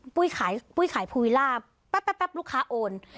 ปั๊บลูกค้าโอน